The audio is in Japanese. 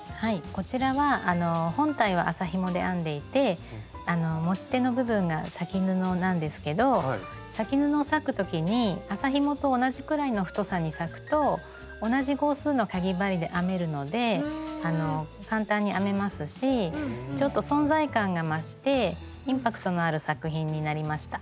こちらは本体は麻ひもで編んでいて持ち手の部分が裂き布なんですけど裂き布を裂く時に麻ひもと同じくらいの太さに裂くと同じ号数のかぎ針で編めるので簡単に編めますしちょっと存在感が増してインパクトのある作品になりました。